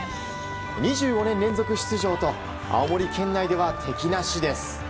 ２５年連続出場と青森県内では敵なしです。